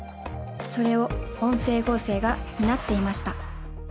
それを音声合成が担っていました。